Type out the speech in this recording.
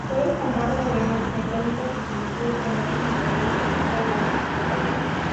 Todas comparten elementos mecánicos y estructurales con otros modelos del Grupo Volkswagen.